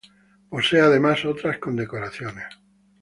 Posee, además, otras condecoraciones.